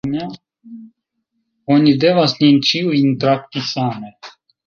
Oni devas nin ĉiujn trakti same.